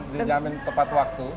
dijamin tepat waktu